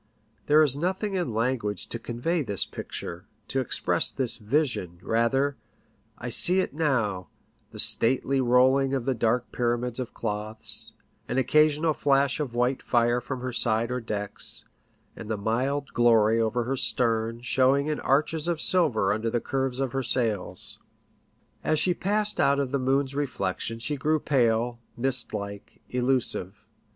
There is nothing in language to convey this picture — to express this vision, rather : I see it now — the stately rolling of the dark pyramids of cloths, an occasional flash of white fire from her side or decks, and the mild glory over her stern showing in arches of silver under the curves of her sails. As she passed out of the moon's reflec 66 PICTUHES AT SEA. tion she grew pale, mist like, elusive.